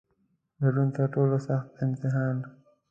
د ژوند تر ټولو سخت امتحان